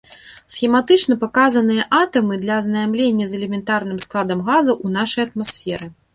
Схематычна паказаныя атамы для азнаямлення з элементарным складам газаў у нашай атмасферы.